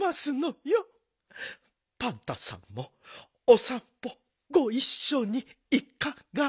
パンタさんもおさんぽごいっしょにいかが？